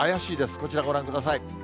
こちらご覧ください。